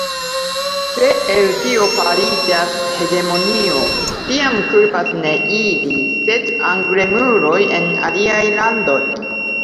Se el tio fariĝas hegemonio, tiam kulpas ne ili, sed anglemuloj en aliaj landoj.